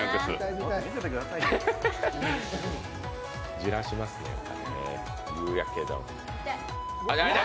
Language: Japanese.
じらしますね、やっぱりね、ゆうやけ丼。